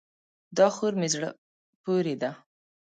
دا خور مې زړه پورې ده.